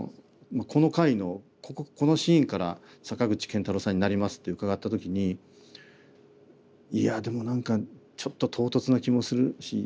この回のこのシーンから坂口健太郎さんになりますって伺った時にいやでも何かちょっと唐突な気もするし